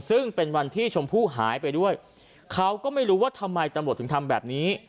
ซึ่งเป็นวันที่ชมพู่หายไปด้วยเขาก็ไม่รู้ว่าทำไมตำรวจถึงทำแบบนี้